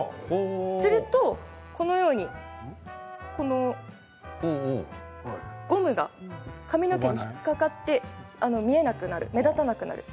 するとこのようにこのゴムが髪の毛に引っ掛かって見えなくなる、目立たなくなる。